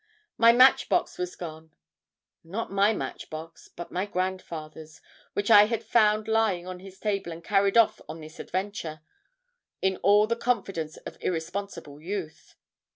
My match box was gone not my match box, but my grandfather's which I had found lying on his table and carried off on this adventure, in all the confidence of irresponsible youth.